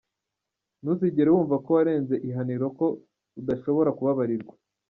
Ntuzigere wumva ko warenze ihaniro ko udashobora kubabarirwa.